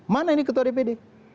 mana ini ketua dpd